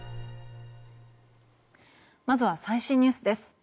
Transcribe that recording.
まずは最新ニュースです。